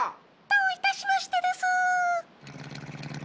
どういたしましてでスー。